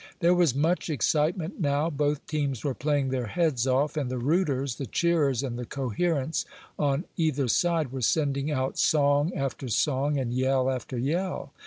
There was much excitement now. Both teams were "playing their heads off," and the rooters, the cheerers and the coherents on either side were sending out song after song, and yell after yell.